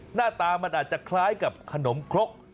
หน้าตามันอาจจะคล้ายกับขนมครก